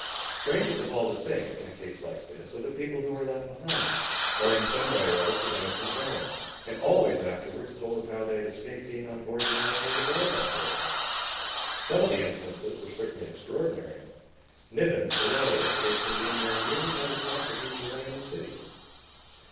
Strangest of all to think, in a case like this, of the people who were left behind, or in some way or other prevented from going, and always afterwards told of how they had escaped being on board the Mariposa Belle that day! Some of the instances were certainly extraordinary. Nivens, the lawyer, escaped from being there merely by the fact that he was away in the city.